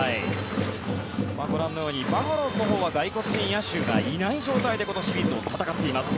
ご覧のようにバファローズのほうは外国人野手がいない状態でこのシリーズを戦っています。